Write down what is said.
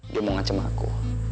dia mau ngacem aku